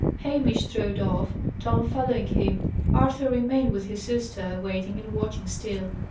Hamish strode off, Tom following him. Arthur remained with his sister, waiting and watching still.